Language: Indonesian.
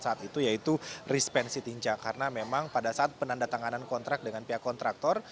saat itu yaitu respensi tinja karena memang pada saat penandatanganan kontrak dengan pihak kontraktor